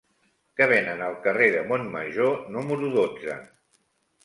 Què venen al carrer de Montmajor número dotze?